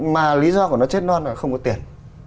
mà lý do của nó chết non là không có tiền